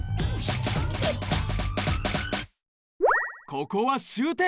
ここは終点。